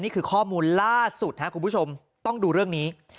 นี่คือข้อมูลล่าสุดครับคุณผู้ชมต้องดูเรื่องนี้